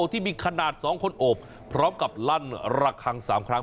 ที่มีขนาด๒คนโอบพร้อมกับลั่นระคัง๓ครั้ง